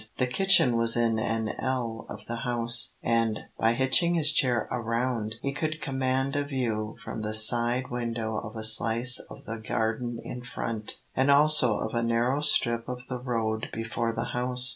The kitchen was in an ell of the house, and, by hitching his chair around, he could command a view from the side window of a slice of the garden in front, and also of a narrow strip of the road before the house.